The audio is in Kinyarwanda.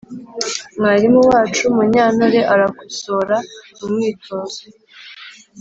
mwarimu wacu munyantore arakosora umwitozo